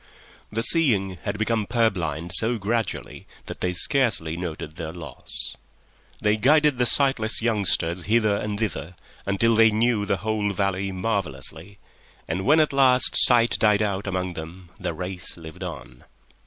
The seeing had become purblind so gradually that they scarcely noticed their loss. They guided the sightless youngsters hither and thither until they knew the whole valley marvellously, and when at last sight died out among them the race lived on.